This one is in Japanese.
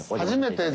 初めて？